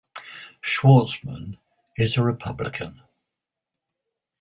Schwarzman is a Republican.